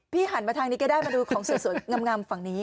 หันมาทางนี้ก็ได้มาดูของสวยงามฝั่งนี้